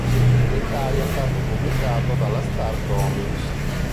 In Italia è stato pubblicato dalla Star Comics.